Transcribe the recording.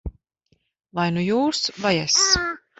Vai nu jūs, vai es.